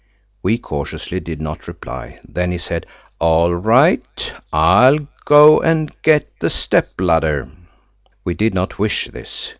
We cautiously did not reply. Then he said: "All right. I'll go and get the step ladder." We did not wish this.